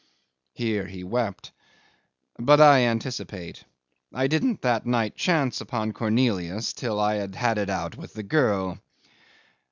Here he wept. But I anticipate. I didn't that night chance upon Cornelius till I had had it out with the girl.